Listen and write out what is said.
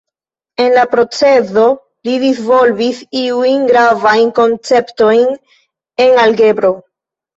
En la procezo, li disvolvis iujn gravajn konceptojn en algebro.